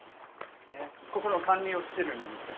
ここの管理をしてるんですか？